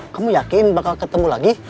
kamu yakin bakal ketemu lagi